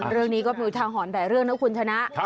เรื่องนี้ก็มีทางหอนแต่เรื่องนะคุณชนะ